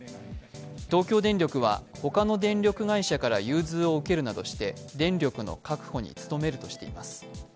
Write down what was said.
東京電力は、ほかの電力会社から融通を受けるなどして電力の確保に努めるとしています。